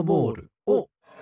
おっ。